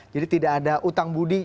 jadi tidak ada utang budi